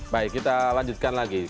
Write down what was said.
baik kita lanjutkan lagi